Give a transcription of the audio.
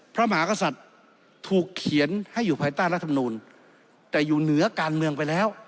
พระมหากษัตริย์ถูกเขียนให้อยู่ภายใต้รัฐมนูลแต่อยู่เหนือการเมืองไปแล้ว